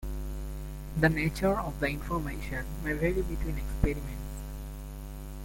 The nature of the information may vary between experiments.